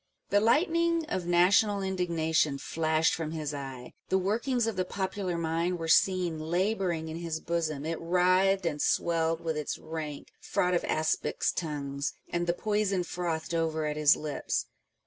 The lightning of national indignation flashed from his eye ; the workings of the popular mind were seen labouring in his bosom : it writhed and swelled with its rank " fraught of aspics' tongues," and the poison frothed over at his lips.